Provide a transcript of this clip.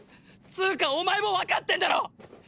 ⁉つーかお前もわかってんだろ！！